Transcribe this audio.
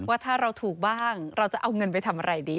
ว่าถ้าเราถูกบ้างเราจะเอาเงินไปทำอะไรดี